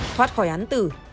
thoát khỏi án tử